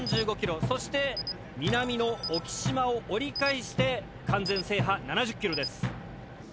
そして南の沖島を折り返して完全制覇７０ｋｍです。